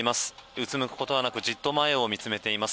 うつむくことはなくじっと前を見つめています。